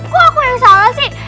kok aku yang salah sih